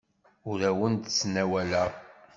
Ur awen-d-ttnawaleɣ.